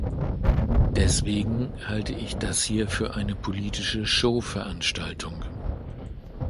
Deswegen halte ich das hier für eine politische Showveranstaltung.